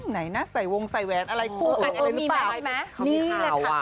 ไหนนะใส่วงใส่แหวนอะไรกู้อะไรหรือเปล่า